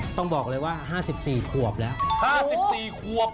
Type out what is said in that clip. ต้องบอกเลยว่าห้าสิบสี่ขวบแล้วห้าสิบสี่ขวบ